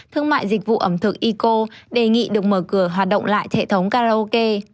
thương mại dịch vụ ẩm thực eco đề nghị được mở cửa hoạt động lại thể thống karaoke